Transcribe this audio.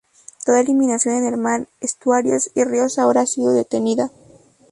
Toda eliminación en el mar, estuarios y ríos ahora ha sido detenida.